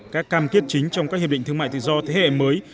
các cam kết chính trong các hiệp định thương mại tự do thế hệ mới